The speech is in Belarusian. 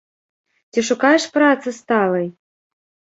Ці шукаеш працы сталай?